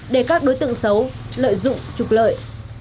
để các đối tượng xấu lợi dụng trục lợi